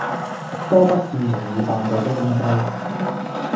多不是容易辦到的東西。